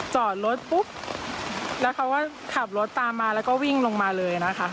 จอดรถปุ๊บแล้วเขาก็ขับรถตามมาแล้วก็วิ่งลงมาเลยนะคะ